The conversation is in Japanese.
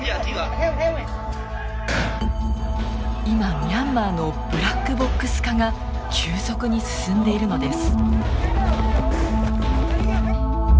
今ミャンマーのブラックボックス化が急速に進んでいるのです。